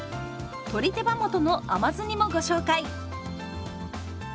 「鶏手羽元の甘酢煮」もご紹介！